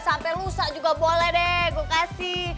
sampai lusa juga boleh deh gue kasih